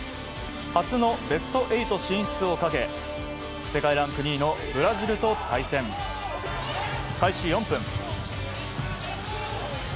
初のベスト８進出をかけ世界ランク２位のブラジルと対戦。開始４分。